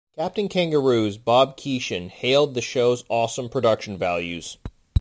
"Captain Kangaroo"'s Bob Keeshan hailed the show's "awesome production values".